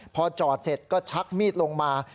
พอจอดเสร็จก็ชักมีดลงมา